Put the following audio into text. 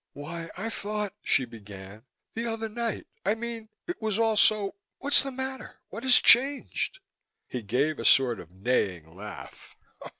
"Why, I thought " she began. "The other night, I mean, it was all so What's the matter? What has changed?" He gave a sort of neighing laugh.